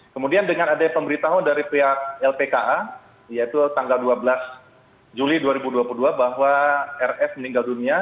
kemudian dengan adanya pemberitahuan dari pihak lpka yaitu tanggal dua belas juli dua ribu dua puluh dua bahwa rs meninggal dunia